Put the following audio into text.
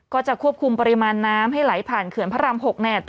ก็จะควบคุมปริมาณน้ำให้ไหลผ่านเขื่อนพระราม๖เนี่ย